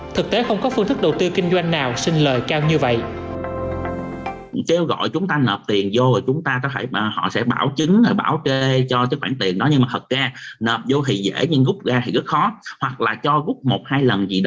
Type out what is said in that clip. thực tế không có phương thức đầu tư kinh doanh nào xin lời cao như vậy